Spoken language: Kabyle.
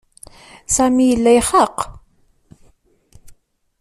Sami yella ixaq.